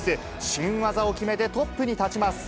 新技を決めてトップに立ちます。